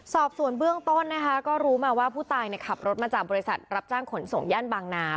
สอบส่วนเบื้องต้นนะคะก็รู้มาว่าผู้ตายขับรถมาจากบริษัทรับจ้างขนส่งย่านบางนา